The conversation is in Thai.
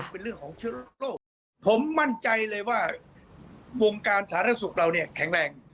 เป็นเรื่องของเชื้อโรคผมมั่นใจเลยว่าวงการสาธารณสุขเราเนี่ยแข็งแรง